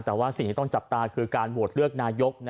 แต่ว่าสิ่งที่ต้องจับตาคือการโหวตเลือกนายก